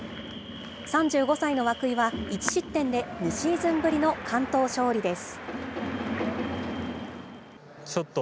３５歳の涌井は、１失点で２シーズンぶりの完投勝利です。